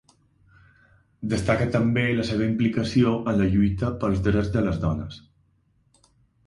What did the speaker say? Destaca també la seva implicació en la lluita pels drets de les dones.